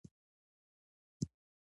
هر اوور شپږ توپونه لري.